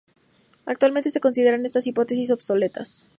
Actualmente se consideran estas hipótesis obsoletas.